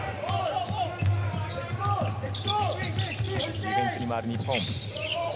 ディフェンスに回る日本。